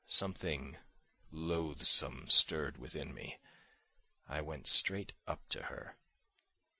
Something loathsome stirred within me. I went straight up to her.